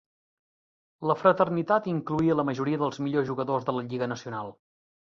La Fraternitat incloïa la majoria dels millors jugadors de la Lliga Nacional.